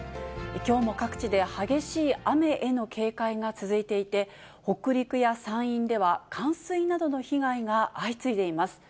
きょうも各地で激しい雨への警戒が続いていて、北陸や山陰では、冠水などの被害が相次いでいます。